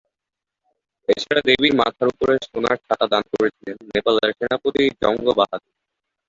এছাড়া দেবীর মাথার উপরের সোনার ছাতা দান করেছিলেন নেপালের সেনাপতি জঙ্গ বাহাদুর।